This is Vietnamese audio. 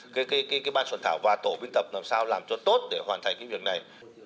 cái ban soạn thảo và tổ biên tập làm sao làm cho tốt để hoàn thành cái việc này